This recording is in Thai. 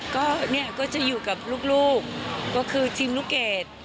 ก็เนี่ยก็จะอยู่กับลูกก็คือทีมลูกเกด